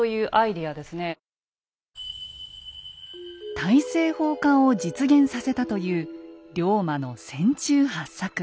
大政奉還を実現させたという龍馬の船中八策。